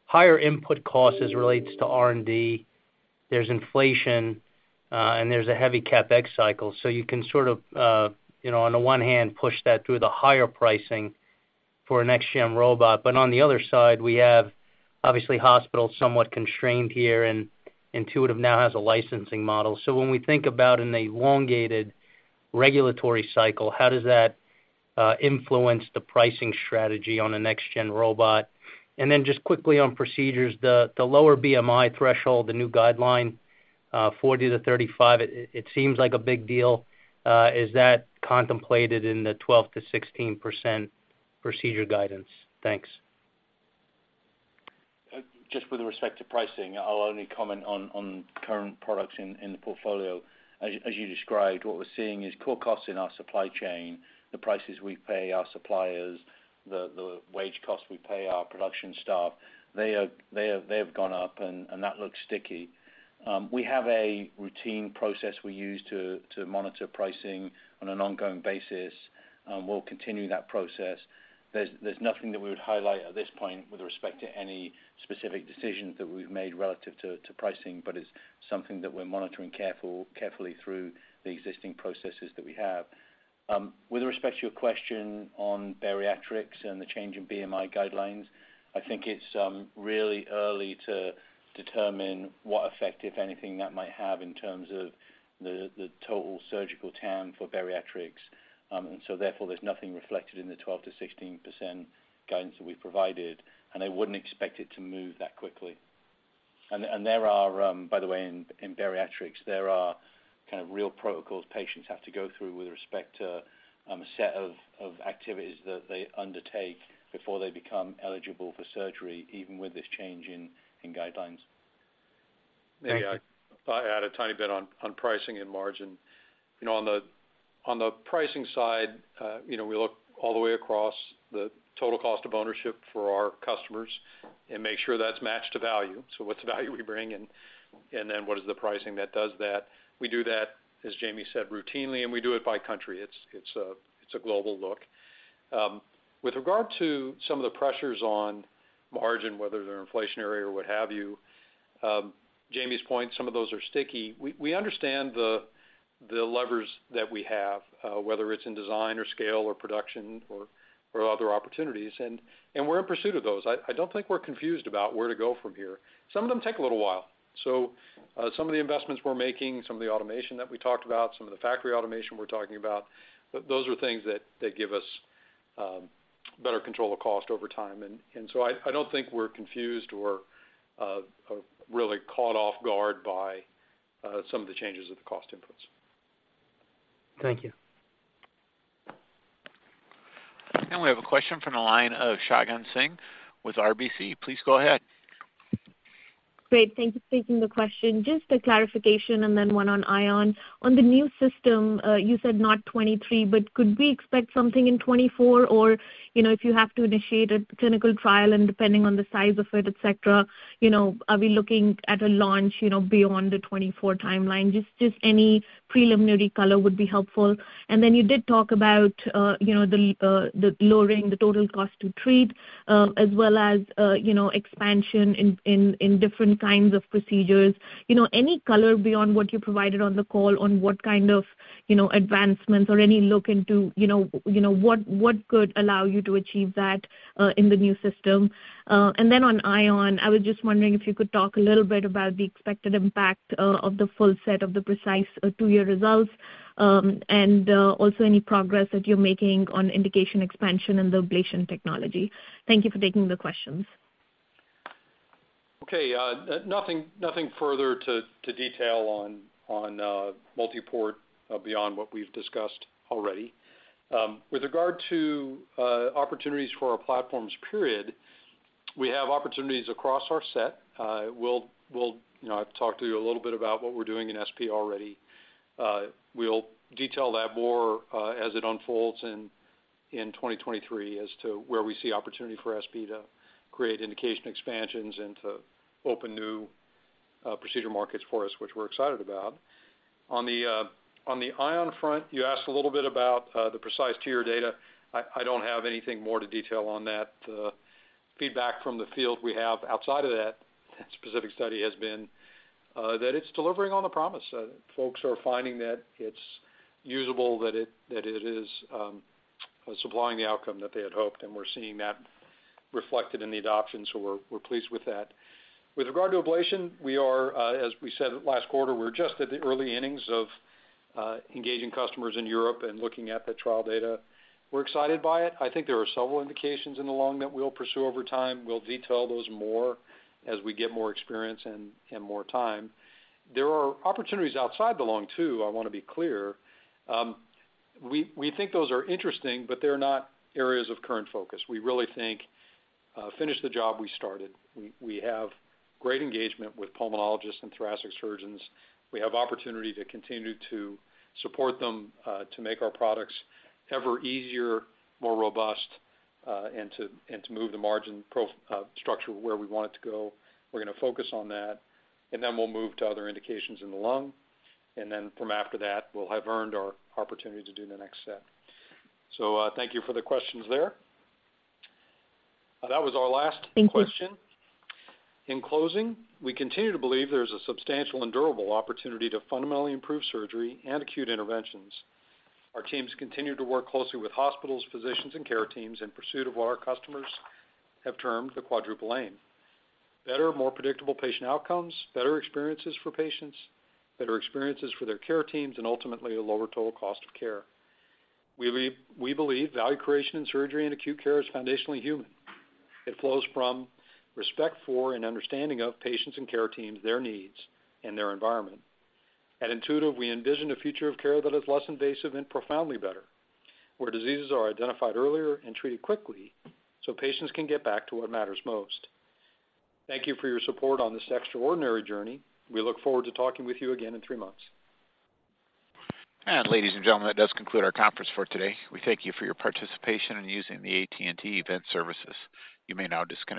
higher input costs as it relates to R&D. There's inflation, and there's a heavy CapEx cycle. You can sort of, you know, on the one hand, push that through the higher pricing for a next-gen robot. On the other side, we have obviously hospitals somewhat constrained here, and Intuitive now has a licensing model. When we think about in a elongated regulatory cycle, how does that influence the pricing strategy on a next-gen robot? Then just quickly on procedures, the lower BMI threshold, the new guideline, 40-35, it seems like a big deal. Is that contemplated in the 12%-16% procedure guidance? Thanks. Just with respect to pricing, I'll only comment on current products in the portfolio. As you described, what we're seeing is core costs in our supply chain, the prices we pay our suppliers, the wage costs we pay our production staff, they have gone up, and that looks sticky. We have a routine process we use to monitor pricing on an ongoing basis, we'll continue that process. There's nothing that we would highlight at this point with respect to any specific decisions that we've made relative to pricing, but it's something that we're monitoring carefully through the existing processes that we have. With respect to your question on bariatrics and the change in BMI guidelines, I think it's really early to determine what effect, if anything, that might have in terms of the total surgical TAM for bariatrics. Therefore, there's nothing reflected in the 12%-16% guidance that we've provided, and I wouldn't expect it to move that quickly. There are, by the way, in bariatrics, there are kind of real protocols patients have to go through with respect to a set of activities that they undertake before they become eligible for surgery, even with this change in guidelines. Maybe I'll add a tiny bit on pricing and margin. You know, on the, on the pricing side, you know, we look all the way across the total cost of ownership for our customers and make sure that's matched to value. What's the value we bring and then what is the pricing that does that? We do that, as Jamie said, routinely, and we do it by country. It's, it's a, it's a global look. With regard to some of the pressures on margin, whether they're inflationary or what have you, Jamie's point, some of those are sticky. We, we understand the levers that we have, whether it's in design or scale or production or other opportunities, and we're in pursuit of those. I don't think we're confused about where to go from here. Some of them take a little while. Some of the investments we're making, some of the automation that we talked about, some of the factory automation we're talking about, those are things that they give us better control of cost over time. I don't think we're confused or really caught off guard by some of the changes of the cost inputs. Thank you. We have a question from the line of Shagun Singh with RBC. Please go ahead. Great. Thank you for taking the question. Just a clarification and then one on Ion. On the new system, you said not 2023, but could we expect something in 2024? Or, you know, if you have to initiate a clinical trial and depending on the size of it, et cetera, you know, are we looking at a launch, you know, beyond the 2024 timeline? Just any preliminary color would be helpful. And then you did talk about, you know, the lowering the total cost to treat, as well as, you know, expansion in different kinds of procedures. You know, any color beyond what you provided on the call on what kind of, you know, advancements or any look into, you know, what could allow you to achieve that in the new system? On Ion, I was just wondering if you could talk a little bit about the expected impact, of the full set of the PRECIsE two-year results. Also any progress that you're making on indication expansion and the ablation technology. Thank you for taking the questions. Okay. Nothing further to detail on Multiport beyond what we've discussed already. With regard to opportunities for our platforms, we have opportunities across our set. You know, I've talked to you a little bit about what we're doing in SP already. We'll detail that more as it unfolds in 2023 as to where we see opportunity for SP to create indication expansions and to open new procedure markets for us, which we're excited about. On the Ion front, you asked a little bit about the Precise tier data. I don't have anything more to detail on that. Feedback from the field we have outside of that specific study has been that it's delivering on the promise. Folks are finding that it's usable, that it is supplying the outcome that they had hoped, and we're seeing that reflected in the adoption, so we're pleased with that. With regard to ablation, we are as we said last quarter, we're just at the early innings of engaging customers in Europe and looking at the trial data. We're excited by it. I think there are several indications in the lung that we'll pursue over time. We'll detail those more as we get more experience and more time. There are opportunities outside the lung too, I wanna be clear. We think those are interesting, but they're not areas of current focus. We really think, finish the job we started. We have great engagement with pulmonologists and thoracic surgeons. We have opportunity to continue to support them, to make our products ever easier, more robust, and to move the margin structure where we want it to go. We're gonna focus on that, then we'll move to other indications in the lung. Then from after that, we'll have earned our opportunity to do the next step. Thank you for the questions there. That was our last question. Thank you. In closing, we continue to believe there's a substantial and durable opportunity to fundamentally improve surgery and acute interventions. Our teams continue to work closely with hospitals, physicians and care teams in pursuit of what our customers have termed the Quadruple Aim: better, more predictable patient outcomes, better experiences for patients, better experiences for their care teams, and ultimately, a lower total cost of care. We believe value creation in surgery and acute care is foundationally human. It flows from respect for and understanding of patients and care teams, their needs and their environment. At Intuitive, we envision a future of care that is less invasive and profoundly better, where diseases are identified earlier and treated quickly so patients can get back to what matters most. Thank you for your support on this extraordinary journey. We look forward to talking with you again in three months. Ladies and gentlemen, that does conclude our conference for today. We thank you for your participation in using the AT&T Event Services. You may now disconnect.